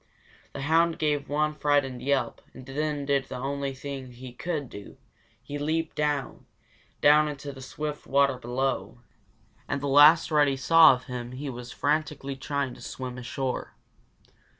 The hound gave one frightened yelp, and then he did the only thing he could do; he leaped down, down into the swift water below, and the last Reddy saw of him he was frantically trying to swim ashore.